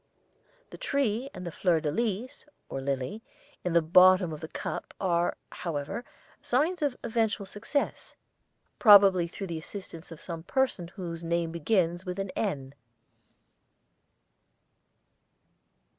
The tree and the fleur de lys (or lily) in the bottom of the cup are, however, signs of eventual success, probably through the assistance of some person whose name begins with an 'N.'